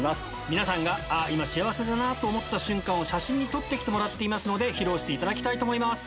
皆さんが今幸せだなぁと思った瞬間を写真に撮ってもらっていますので披露していただきたいと思います。